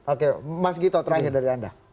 oke mas gito terakhir dari anda